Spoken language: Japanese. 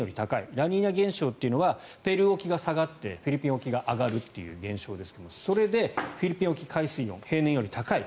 ラニーニャ現象というのはペルー沖が下がってフィリピン沖が上がるというものですがそれでフィリピン沖の海水温が平年より高い。